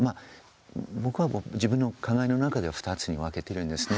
僕は自分の考えの中では２つに分けてるんですね。